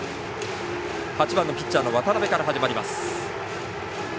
８番ピッチャー渡邊から始まります。